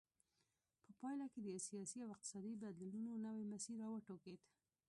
په پایله کې د سیاسي او اقتصادي بدلونونو نوی مسیر را وټوکېد.